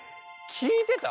きいてた？